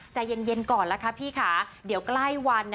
ใจเย็นก่อนแล้วค่ะพี่ค่ะเดี๋ยวใกล้วัน